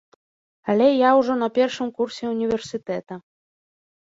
Але я ўжо на першым курсе універсітэта.